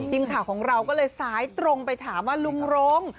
ทีมข่าวของเราก็เลยซ้ายตรงไปถามว่าลุงรงค์